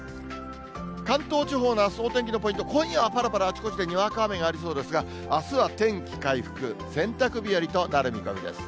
関東地方のあすのお天気のポイント、今夜はぱらぱらあちこちでにわか雨がありそうですが、あすは天気回復、洗濯日和となる見込みです。